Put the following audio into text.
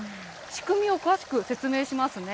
仕組みを詳しく説明しますね。